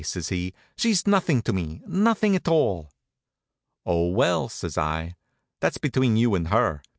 says he. "She's nothing to me, nothing at all." "Oh, well," says I, "that's between you and her.